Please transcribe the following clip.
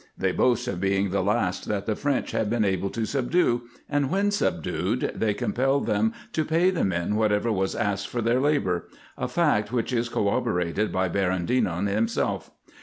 They boast of being the last that the French had been able to sub due, and when subdued, they compelled them to pay the men what ever was asked for their labour ; a fact which is corroborated by Baron Denon himself.